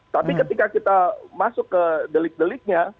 tapi ketika kita masuk ke delik deliknya